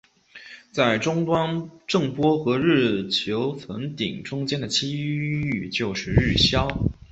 在终端震波和日球层顶中间的区域就是日鞘。